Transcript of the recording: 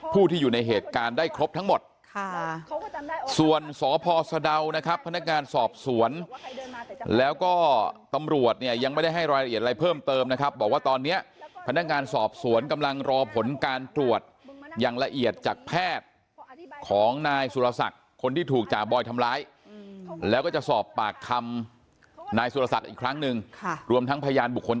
ผู้ที่อยู่ในเหตุการณ์ได้ครบทั้งหมดค่ะส่วนสพสะดาวนะครับพนักงานสอบสวนแล้วก็ตำรวจเนี่ยยังไม่ได้ให้รายละเอียดอะไรเพิ่มเติมนะครับบอกว่าตอนนี้พนักงานสอบสวนกำลังรอผลการตรวจอย่างละเอียดจากแพทย์ของนายสุรศักดิ์คนที่ถูกจ่าบอยทำร้ายแล้วก็จะสอบปากคำนายสุรศักดิ์อีกครั้งหนึ่งรวมทั้งพยานบุคคล